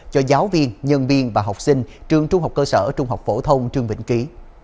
cho giáo viên nhân viên và học sinh trường trung học cơ sở trung học phổ thông trương vĩnh ký